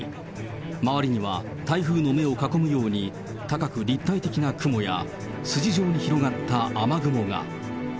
周りには台風の目を囲むように、高く立体的な雲や、筋状に広がった雨雲が。